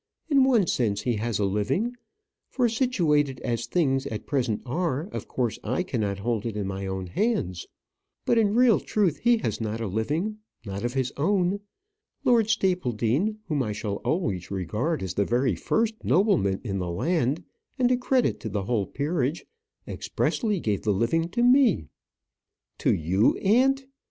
In one sense he has a living; for, situated as things at present are, of course I cannot hold it in my own hands. But in real truth he has not a living not of his own. Lord Stapledean, whom I shall always regard as the very first nobleman in the land, and a credit to the whole peerage, expressly gave the living to me." "To you, aunt?"